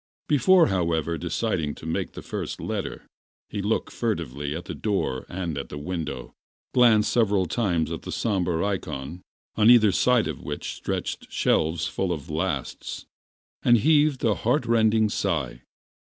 Before, however, deciding to make the first letter, he looked furtively at the door and at the window, glanced several times at the sombre ikon, on either side of which stretched shelves full of lasts, and heaved a heart rending sigh.